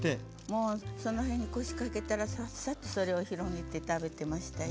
もうその辺に腰掛けたらさっさとそれを広げて食べてましたよ。